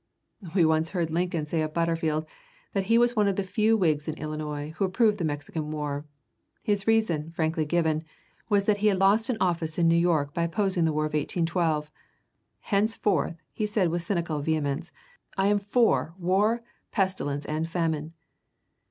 We once heard Lincoln say of Butterfield that he was one of the few Whigs in Illinois who approved the Mexican war. His reason, frankly given, was that he had lost an office in New York by opposing the war of 1812. "Henceforth," he said with cynical vehemence, "I am for war, pestilence, and famine."